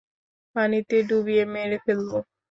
পানিতে ডুবিয়ে মেরে ফেলব।